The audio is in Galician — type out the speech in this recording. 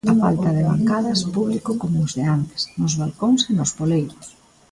A falta de bancadas, público como os de antes: nos balcóns e nos poleiros.